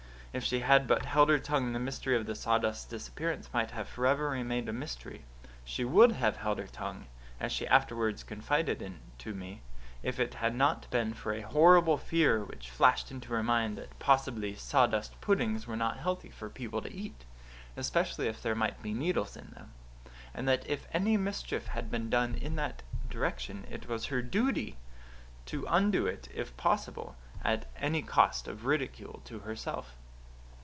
If she had but held her tongue the mystery of the sawdust's disappearance might have forever remained a mystery. She WOULD have held her tongue, as she afterwards confided to me, if it had not been for a horrible fear which flashed into her mind that possibly sawdust puddings were not healthy for people to eat especially if there might be needles in them and that if any mischief had been done in that direction it was her duty to undo it if possible at any cost of ridicule to herself.